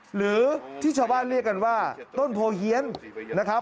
หรือที่ชาวบ้านเรียกกันว่าต้นโพเฮียนนะครับ